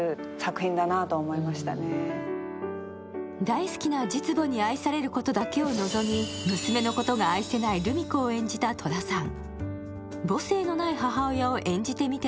大好きな実母に愛されることだけを望み娘のことが愛せないルミ子を演じた戸田さん。